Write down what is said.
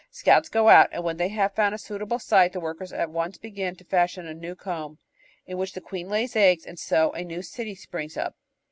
Scouts go out, and when they have found a suitable site the workers at once begin to fashion a new comb, in which the queen lays eggs, and so a new city springs up.